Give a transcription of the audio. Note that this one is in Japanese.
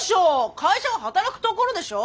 会社は働くところでしょ。